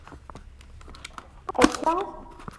Akka?